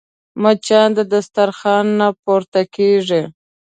مچان د دسترخوان نه پورته کېږي